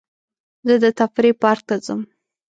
زه د تفریح پارک ته ځم.